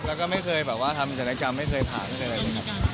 และก็ไม่เคยทำศัลยกรรมไม่เคยผ่านอะไรเลยครับ